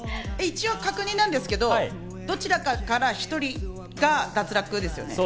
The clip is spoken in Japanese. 確認ですけど、どちらかから１人が脱落ですか？